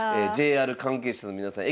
ＪＲ関係者の皆さん